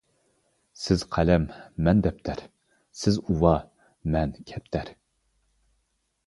سىز قەلەم، مەن دەپتەر، سىز ئۇۋا، مەن كەپتەر.